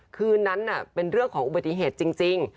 คืนนั้นเป็นเรื่องของอุบัติเหตุจริง